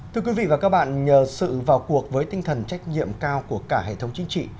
thưa quý vị và các bạn nhờ sự vào cuộc với tinh thần trách nhiệm cao của cả hệ thống chính trị